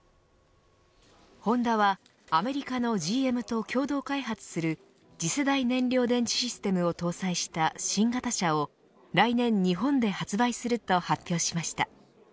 ホンダはアメリカのＧＭと共同開発する次世代燃料電池システムを搭載した新型車を来年日本で発売すると発表しました。